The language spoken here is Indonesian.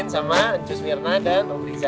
sama jus mirna dan om riza